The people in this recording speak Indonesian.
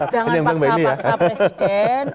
jadi jangan paksa paksa presiden